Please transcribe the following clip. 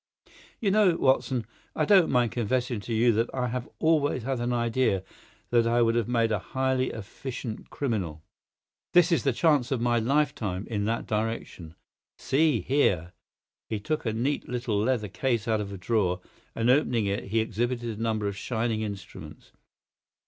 You know, Watson, I don't mind confessing to you that I have always had an idea that I would have made a highly efficient criminal. This is the chance of my lifetime in that direction. See here!" He took a neat little leather case out of a drawer, and opening it he exhibited a number of shining instruments.